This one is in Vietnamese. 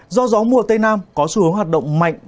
do gió mùa tây nam có xu hướng hoạt động mạnh